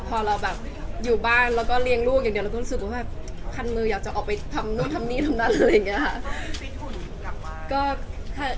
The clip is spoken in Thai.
พอเราแบบอยู่บ้านแล้วก็เลี้ยงลูกอย่างเดียวเราก็รู้สึกว่าแบบคันมืออยากจะออกไปทำนู่นทำนี่ทำนั่นอะไรอย่างนี้ค่ะ